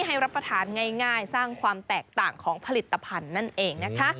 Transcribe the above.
รับประทานง่ายสร้างความแตกต่างของผลิตภัณฑ์นั่นเองนะคะ